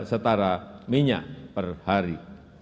setara minyak per hari